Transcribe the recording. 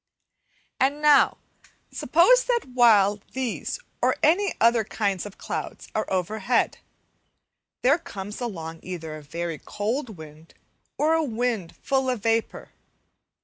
Week 11 And now, suppose that while these or any other kind of clouds are overhead, there comes along either a very cold wind, or a wind full of vapour.